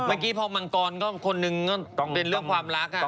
เมื่อกี้พอมังกรก็คนหนึ่งก็เป็นเรื่องความรัก